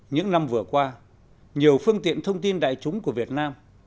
những năm vừa qua nhiều phương tiện thông tin đại chúng của việt nam